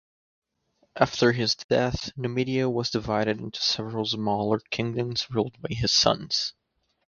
After his death, Numidia was divided into several smaller kingdoms ruled by his sons.